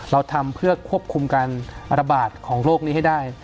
เราทำเพื่อควบคุมการระบาดของโรคนี้ให้ได้